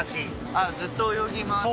あっずっと泳ぎ回ってる？